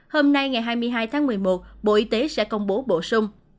hôm nay ngày hai mươi hai tháng một mươi một bộ y tế sẽ công bố bổ sung